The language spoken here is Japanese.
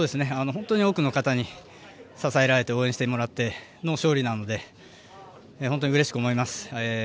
本当に多くの方に支えてもらって応援してもらっての勝利なので本当にうれしく思います。